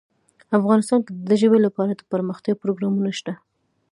افغانستان کې د ژبې لپاره دپرمختیا پروګرامونه شته.